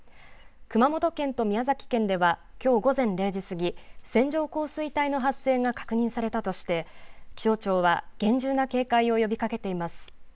熊本県と宮崎県ではきょう午前０時過ぎ線状降水帯の発生が確認されたとして気象庁は厳重な警戒を呼びかけています。